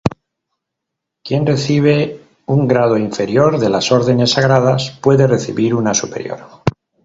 Quien recibe un grado inferior de las órdenes sagradas puede recibir una superior.